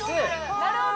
なるほど！